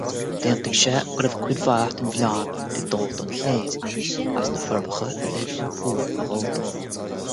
D'aontaigh sé go raibh cuid mhaith den mhilleán ag dul don chléir as na Forbacha a bheith ag iompú ina Ghalltacht.